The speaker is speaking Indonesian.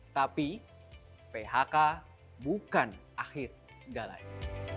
tapi phk bukan akhir segalanya